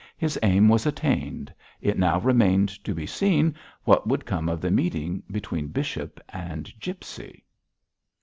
His aim was attained. It now remained to be seen what would come of the meeting between bishop and gipsy.